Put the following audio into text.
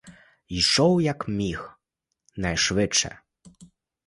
Йшов як міг найшвидше.